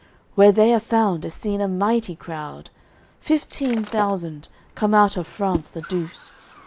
Where they are found, is seen a mighty crowd, Fifteen thousand, come out of France the Douce.